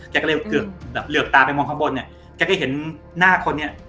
แกก็เลยเหลือกตาไปมองข้างบนแกก็เห็นหน้าคนเนี่ย